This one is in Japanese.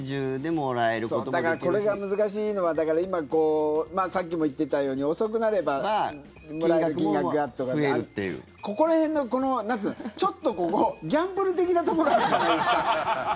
だからこれが難しいのは今、さっきも言っていたように遅くなればもらえる金額がとかってここら辺のちょっとギャンブル的なところがあるじゃないですか。